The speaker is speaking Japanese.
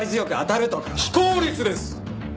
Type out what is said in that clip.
非効率です！